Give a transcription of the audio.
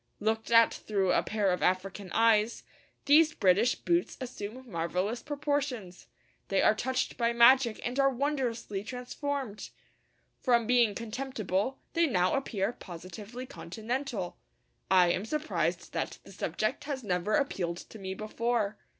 Looked at through a pair of African eyes, these British boots assume marvellous proportions. They are touched by magic and are wondrously transformed. From being contemptible, they now appear positively continental. I am surprised that the subject has never appealed to me before.